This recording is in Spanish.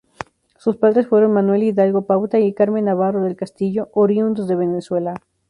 Sus padres fueron Manuel Hidalgo Pauta y Carmen Navarro del Castillo, oriundos de Venezuela.